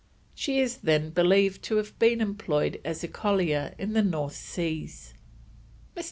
She is then believed to have been employed as a collier in the North Seas. Mr.